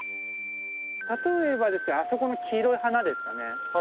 例えばあそこの黄色い花ですね。